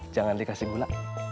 jangan dikasih gula